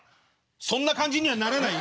そんな感じにはならないよ